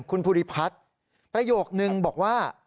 คุณภูริพัฒน์ประโยคนึงบอกว่า